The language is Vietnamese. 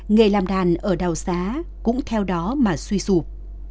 nghề làm đàn ở đào xá cũng theo đó mà suy sụp